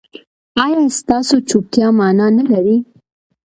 ایا ستاسو چوپتیا معنی نلري؟